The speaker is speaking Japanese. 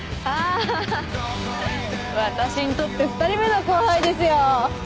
あ私にとって２人目の後輩ですよ。